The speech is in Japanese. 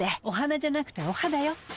お花じゃなくてお肌よ。